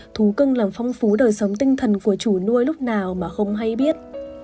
thú cưng làm phong phú đời sống tinh thần của chủ nuôi lúc nào mà không hay biết